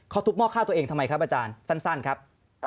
เขาทุบหม้อข้าวตัวเองทำไมครับอาจารย์สั้นครับ